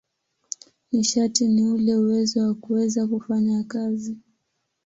Nishati ni ule uwezo wa kuweza kufanya kazi.